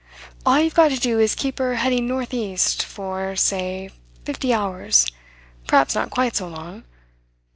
All you've got to do is keep her heading north east for, say, fifty hours; perhaps not quite so long.